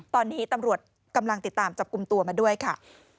ตอนนี้ตำรวจกำลังติดตามจับกลุ่มตัวมาด้วยค่ะ